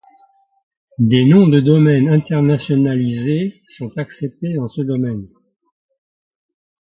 Des noms de domaine internationalisés sont acceptés dans ce domaine.